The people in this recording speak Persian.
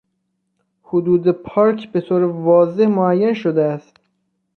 حدود پارک به طور واضح معین شده است.